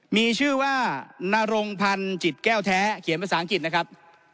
มีชื่อว่านรงพันธ์จิตแก้วแท้เขียนภาษาอังกฤษนะครับ